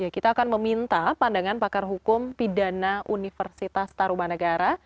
kita akan meminta pandangan pakar hukum pidana universitas tarumanegara